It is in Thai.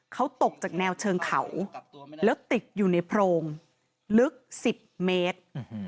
เขาตกจากแนวเชิงเขาแล้วติดอยู่ในโพรงลึก๑๐เมตร